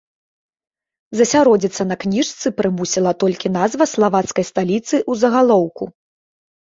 Засяродзіцца на кніжцы прымусіла толькі назва славацкай сталіцы ў загалоўку.